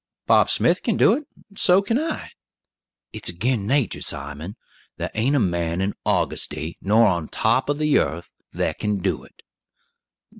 "Bob Smith kin do it, and so kin I." "It's agin nater, Simon; thar ain't a man in Augusty, nor on top of the yearth, that kin do it!"